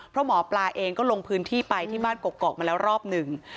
เพราะหมอปลาเองก็ลงพื้นที่ไปที่บ้านกกอกมาแล้วรอบหนึ่ง